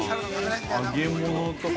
揚げ物とか。